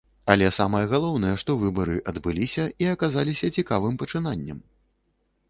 Але самае галоўнае, што выбары адбыліся, і аказаліся цікавым пачынаннем.